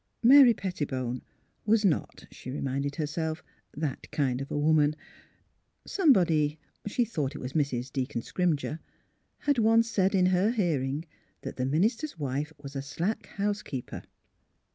Mary Pettibone was not (she reminded herself) that kind of a woman. Somebody — she thought it was Mrs. Deacon Scrimger — had once said in her hear ing that the minister's wife was a slack house keeper.